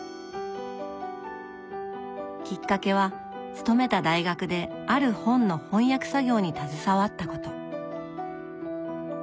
きっかけは勤めた大学である本の翻訳作業に携わったこと。